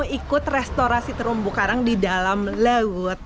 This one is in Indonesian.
kita mau ikut restorasi terumbu karang di dalam laut